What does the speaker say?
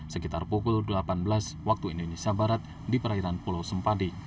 sekitar pukul delapan belas waktu indonesia barat di perairan pulau sempadi